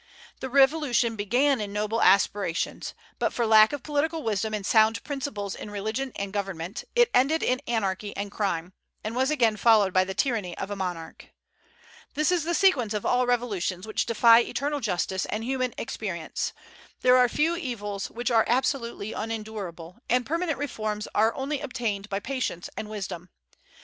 The Revolution began in noble aspirations, but for lack of political wisdom and sound principles in religion and government, it ended in anarchy and crime, and was again followed by the tyranny of a monarch. This is the sequence of all revolutions which defy eternal justice and human experience. There are few evils which are absolutely unendurable, and permanent reforms are only obtained by patience and wisdom.